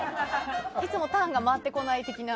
いつもターンが回ってこない的な？